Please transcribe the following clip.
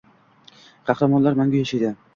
Qahramonlar mangu yashaydi